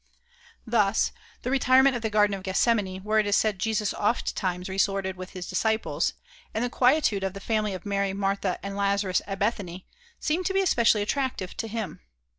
Thus, the retirement of the Garden of Gethsemane where it is said Jesus ofttimes resorted with his disciples and the quietude of the family of Mary, Martha, and Lazarus at Bethany, seemed to be especially attractive to him.